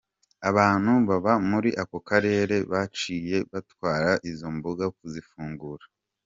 Abantu baba muri ako karere baciye batwara izo mbogo kuzifungura.